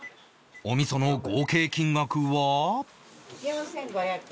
お味噌の合計金額は